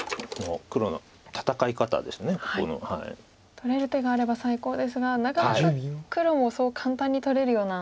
取れる手があれば最高ですがなかなか黒もそう簡単に取れるような。